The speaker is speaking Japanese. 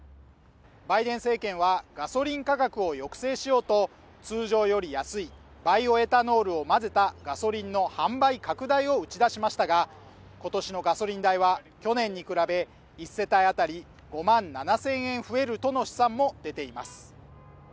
バイデン政権はガソリン価格を抑制しようと通常より安いバイオエタノールを混ぜたガソリンの販売拡大を打ち出しましたが今年のガソリン代は去年に比べ１世帯あたり５万７０００円増えるとの試算も出ています